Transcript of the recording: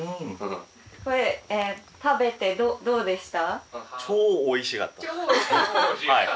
これ食べてどうでした？